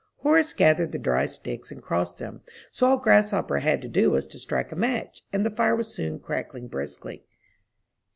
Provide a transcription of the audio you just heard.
Horace gathered the dry sticks and crossed them, so all Grasshopper had to do was to strike a match, and the fire was soon crackling briskly.